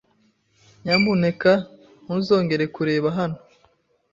Nyamuneka ntuzongere kureba hano.